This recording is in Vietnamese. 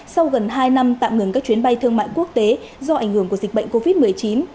sau gần hai năm tạm ngừng các chuyến bay thương mại quốc tế do ảnh hưởng của dịch bệnh